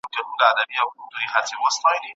¬ په ښو پردي خپلېږي.